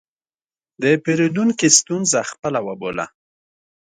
د پیرودونکي ستونزه خپله وبوله.